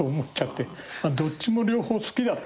まあどっちも両方好きだった。